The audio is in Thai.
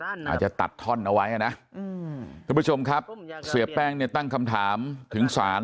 อาจจะตัดท่อนเอาไว้อ่ะนะทุกผู้ชมครับเสียแป้งเนี่ยตั้งคำถามถึงสาร